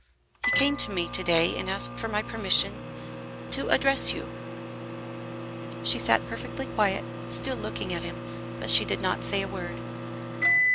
He came to me to day and asked for my permission to address you." She sat perfectly quiet, still looking at him, but she did not say a word.